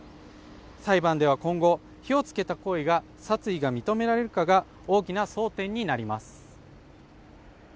裁判では今後、火をつけた行為に、殺意が認められるかが大きな争点になります。